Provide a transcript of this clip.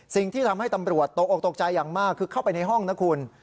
สิ่งที่ทำให้ตำรวจตกออกตกใจอย่างมากคือเข้าไปในห้องนะคุณ